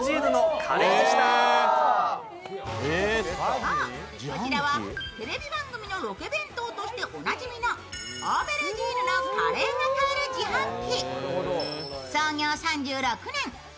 そう、こちはテレビ番組のロケ弁当としておなじみのオーベルジーヌのカレーが買える自販機。